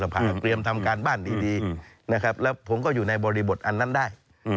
ผมก็อยู่ในบริบทอันนั้นได้